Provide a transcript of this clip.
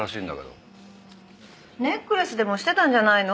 ネックレスでもしてたんじゃないの？